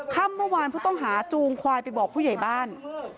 ค่ำเมื่อวานผู้ต้องหาจูงควายไปบอกผู้ใหญ่บ้าน